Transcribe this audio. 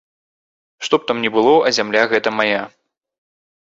Што б там ні было, а зямля гэта мая.